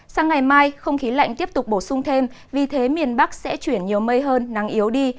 sang ngày mai không khí lạnh tiếp tục bổ sung thêm vì thế miền bắc sẽ chuyển nhiều mây hơn nắng yếu đi